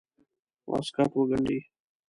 واسکټ وګنډي.